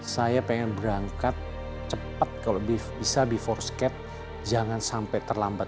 saya pengen berangkat cepat kalau bisa before skate jangan sampai terlambat